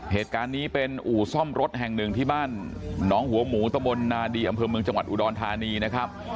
เหตุการณ์นี้เป็นอู่ซ่อมรถแห่งหนึ่งที่บ้านหนองหัวหมูตะบนนาดีอำเภอเมืองจังหวัดอุดรธานีนะครับ